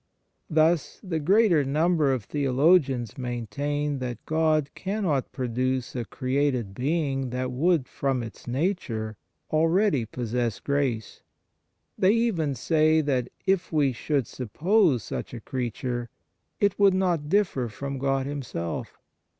Thus, the greater number of theologians maintain that God cannot produce a created being that would from its nature already possess grace; they even say that, if we should suppose such a creature, it would not differ from God Himself.